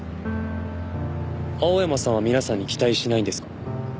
青山さんは皆さんに期待しないんですか？